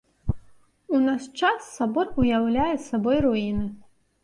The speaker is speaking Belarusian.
У наш час сабор уяўляе сабой руіны.